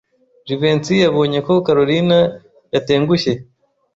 Jivency yabonye ko Kalorina yatengushye.